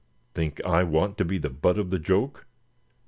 Think I want to be the butt of the joke?